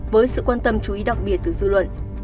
với sự quan tâm chú ý đặc biệt từ dư luận